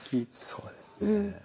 そうですね。